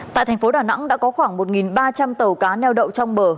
tại thành phố đà nẵng đã có khoảng một ba trăm linh tàu cá neo đậu trong bờ